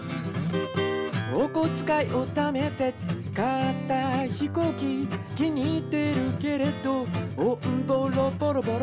「おこづかいをためて買ったひこうき」「気に入ってるけれどオンボロボロボロ！」